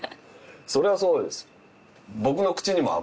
そりゃそうです。